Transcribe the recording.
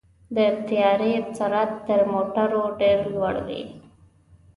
د طیارې سرعت تر موټرو ډېر لوړ وي.